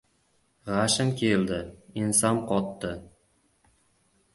G‘ashim keldi. Ensam qotdi.